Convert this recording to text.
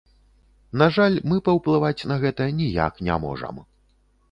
На жаль, мы паўплываць на гэта ніяк не можам.